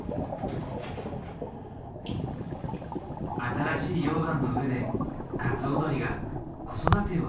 新しい溶岩の上でカツオドリが子育てを始めている。